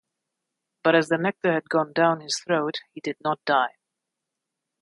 But as the nectar had gone down his throat he did not die.